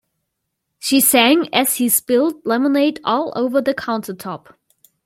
She sang as she spilled lemonade all over the countertop.